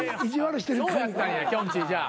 そうやったんやきょんちぃじゃあ。